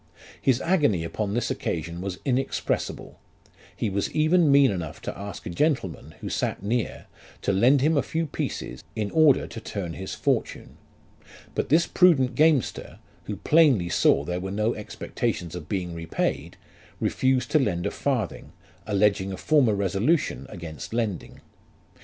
His agony upon this occasion was inexpressible ; he was even mean enough to ask a gentleman, who sat near, to lend him a few pieces, in order to turn his fortune ; but this prudent gamester, who plainly saw there were no expectations of being repaid, refused to lend a farthing, alleging a former resolution against lending.